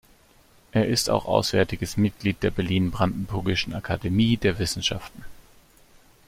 Er ist auch auswärtiges Mitglied der Berlin-Brandenburgischen Akademie der Wissenschaften.